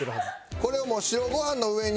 これをもう白ご飯の上に。